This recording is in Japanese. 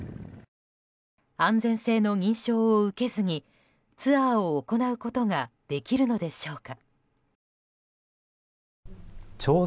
安全性の認証を受けずにツアーを行うことができるのでしょうか。